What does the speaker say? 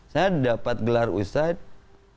saya dapat gelar ustadz